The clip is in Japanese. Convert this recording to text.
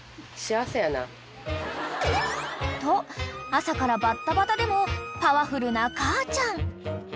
［と朝からバッタバタでもパワフルな母ちゃん］